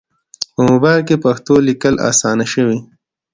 په موبایل کې پښتو لیکل اسانه شوي.